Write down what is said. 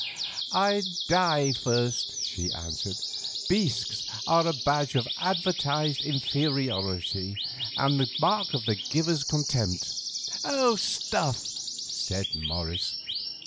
"I'd die first," she answered; "bisques are the badge of advertised inferiority and a mark of the giver's contempt." "Stuff!" said Morris.